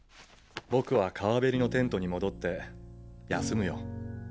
僕は川べりのテントに戻って休むよ。